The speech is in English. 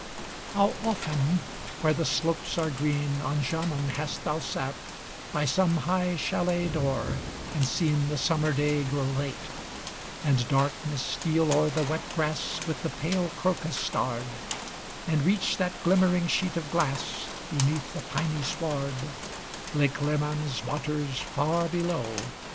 How often, where the slopes are green On Jaman, hast thou sate By some high chalet door, and seen The summer day grow late; And darkness steal o'er the wet grass With the pale crocus starr'd, And reach that glimmering sheet of glass Beneath the piny sward, Lake Leman's waters, far below!